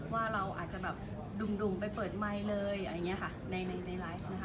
ว่าเราอาจจะแบบดุ่มไปเปิดไมค์เลยอะไรอย่างนี้ค่ะในในไลฟ์นะคะ